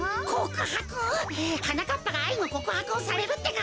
はなかっぱがあいのこくはくをされるってか？